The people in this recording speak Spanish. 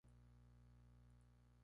Es arquitecto de profesión.